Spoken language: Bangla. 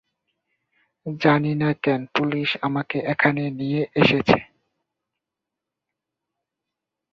জানি না কেন পুলিশ আমাকে এখানে নিয়ে এসেছে।